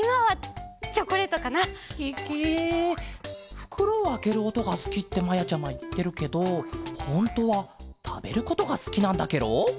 ふくろをあけるおとがすきってまやちゃまいってるけどほんとはたべることがすきなんだケロ？